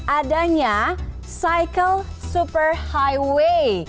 adanya cycle superhighway